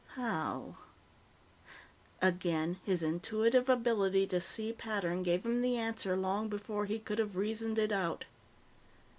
How? Again, his intuitive ability to see pattern gave him the answer long before he could have reasoned it out.